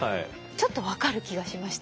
ちょっと分かる気がしました。